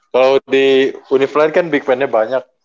kalau di uniflain kan big man nya banyak